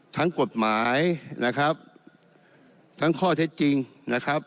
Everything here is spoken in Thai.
ทั้งกฎหมายนะครับทั้งข้อเท็จจริงนะครับ